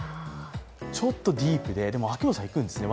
ちょっとディープで、秋元さん、行くんですね。